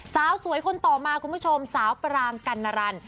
สาวสวยคนต่อมาคุณผู้ชมสาวปรางกัณรัน